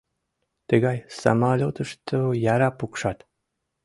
— Тыгай самолетышто яра пукшат.